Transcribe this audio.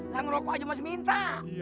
nang rokok aja masih minta